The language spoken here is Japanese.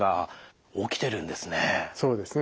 そうですね。